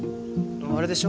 あれでしょ。